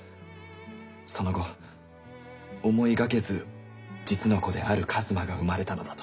その後思いがけず実の子である一馬が生まれたのだと。